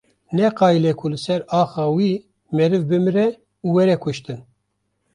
Neqayîle ku li ser axa wî meriv bimre û were kuştin.